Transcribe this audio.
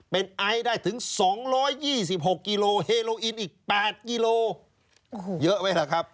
เป็นไอได้ถึง๒๒๖กิโลเฮโลอินอีก๘กิโลเยอะไว้แหละครับ